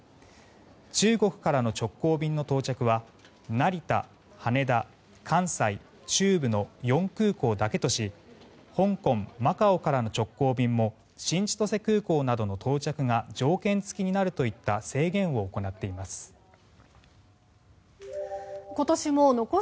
中国からの直行便の到着は成田、羽田、関西、中部の４空港だけとし香港、マカオからの直行便も新千歳空港などの到着が条件付きになるといった制限を行っています。